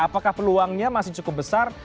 apakah peluangnya masih cukup besar